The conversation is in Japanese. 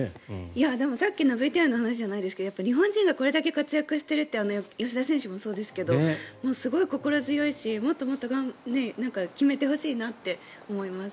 さっきのＶＴＲの話じゃないですけど日本人がこれだけ活躍しているって吉田選手もそうですがすごい心強いしもっともっと決めてほしいなと思います。